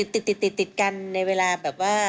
ติดกันในเวลาแบบว่า